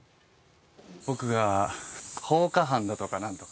僕が放火犯だとかなんとか。